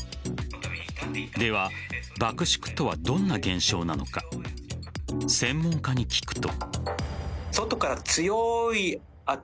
では、爆縮とはどんな現象なのか専門家に聞くと。